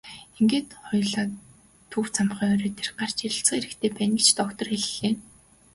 Тэгээд хоёулаа төв цамхгийн орой дээр гарч ярилцах хэрэгтэй байна гэж доктор хэллээ.